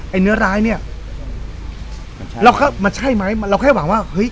เนื้อร้ายเนี่ยเรามันใช่ไหมเราแค่หวังว่าเฮ้ย